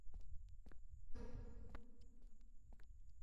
Saksasqa kutiykunanchikpaq.